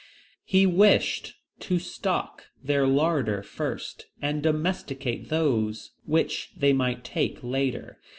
He wished to stock their larder first, and domesticate those which they might take later.